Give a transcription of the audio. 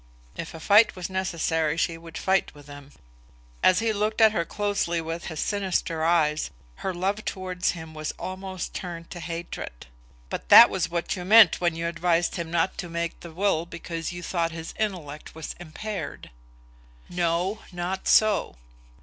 If a fight was necessary, she would fight with him. As he looked at her closely with his sinister eyes, her love towards him was almost turned to hatred. "But that was what you meant when you advised him not to make the will because you thought his intellect was impaired!" "No; not so."